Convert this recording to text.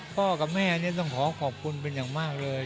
กับแม่นี่ต้องขอขอบคุณเป็นอย่างมากเลย